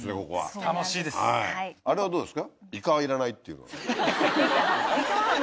あれはどうですか？